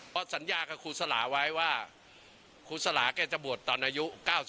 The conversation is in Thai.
ก็สัญญากับครูสลาอยว่าครูสลาแกจะบวชตอนอายุ๙๙